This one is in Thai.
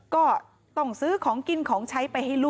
ก็ต้องซื้อของกินของใช้ไปให้ลูก